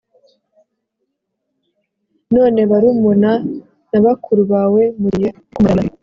none barumuna na bakuru bawe mugiye kumarana